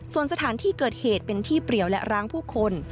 ส่วนสถานที่เกิดเหตุเป็นที่เปรียวและร้างผู้คน